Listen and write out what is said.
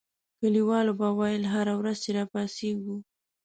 کلیوالو به ویل هره ورځ چې را پاڅېږو.